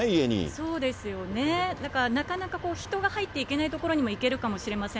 そうですよね、だから、なかなか人が入っていけない所にも行けるかもしれません。